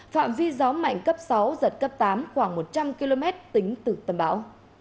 phạm vi gió mạnh cấp sáu giật cấp tám khoảng một trăm linh km tính từ tâm bão